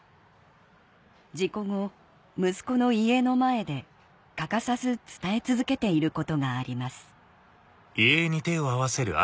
事故後息子の遺影の前で欠かさず伝え続けていることがあります